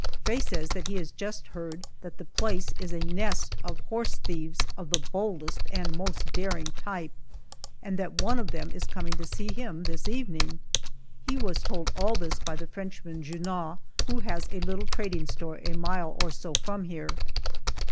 Faye says that he has just heard that the place is a nest of horse thieves of the boldest and most daring type, and that one of them is coming to see him this evening! He was told all this by the Frenchman, Junot, who has a little trading store a mile or so from here.